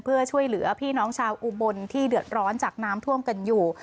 เพื่อช่วยเหลือพี่น้องชาวอุบลที่เดือดร้อนจากน้ำท่วมกันอยู่